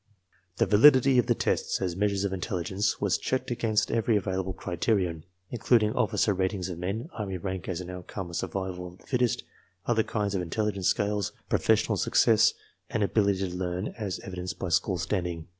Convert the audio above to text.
The validity of the tests as measures of intelligence wa§^ checked against every available criterion, including officer rat / ings of men, army rank as an outcome of survival of the fittest, I other kinds of intelligence scales, professional success, and abil \ ity to learn as evidenced by school standing.